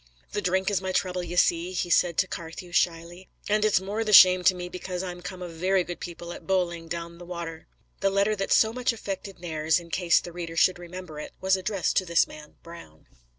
"The drink is my trouble, ye see," he said to Carthew shyly; "and it's the more shame to me because I'm come of very good people at Bowling, down the wa'er." The letter that so much affected Nares, in case the reader should remember it, was addressed to this man Brown.